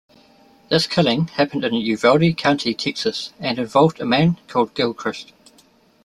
This killing happened in Uvalde County Texas and involved a man called Gilchrist.